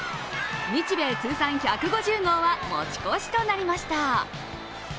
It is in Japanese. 日米通算１５０号は持ち越しとなりました。